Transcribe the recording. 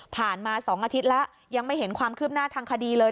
มา๒อาทิตย์แล้วยังไม่เห็นความคืบหน้าทางคดีเลย